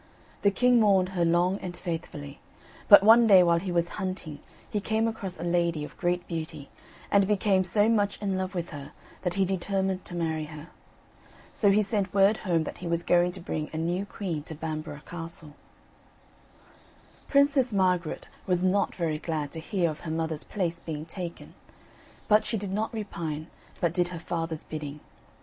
The king mourned her long and faithfully, but one day while he was hunting he came across a lady of great beauty, and became so much in love with her that he determined to marry her. So he sent word home that he was going to bring a new queen to Bamborough Castle. Princess Margaret was not very glad to hear of her mother's place being taken, but she did not repine but did her father's bidding.